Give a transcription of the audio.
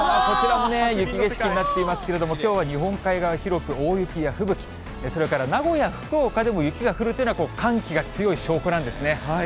こちらも雪景色になっていますけれども、きょうは日本海側、広く大雪や吹雪、それから名古屋、福岡でも雪が降るというのは寒気が強い証拠なんですね。